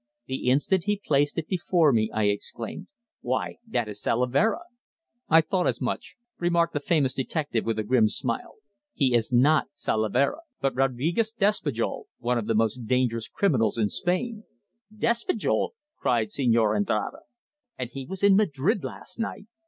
The instant he placed it before me, I exclaimed: "Why, that is Salavera!" "I thought as much," remarked the famous detective with a grim smile. "He is not Salavera, but Rodriquez Despujol, one of the most dangerous criminals in Spain!" "Despujol!" cried Señor Andrade. "And he was in Madrid last night!"